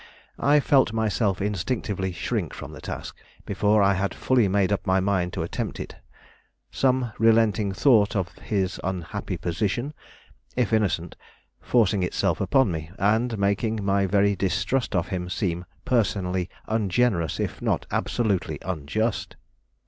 I felt myself instinctively shrink from the task, before I had fully made up my mind to attempt it; some relenting thought of his unhappy position, if innocent, forcing itself upon me, and making my very distrust of him seem personally ungenerous if not absolutely unjust.